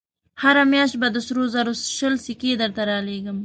هره مياشت به د سرو زرو شل سيکې درته رالېږم.